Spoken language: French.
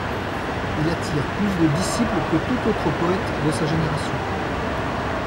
Il attire plus de disciples que tout autre poète de sa génération.